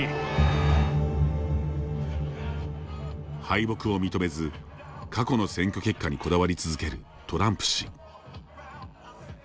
敗北を認めず過去の選挙結果にこだわり続けるトランプ氏。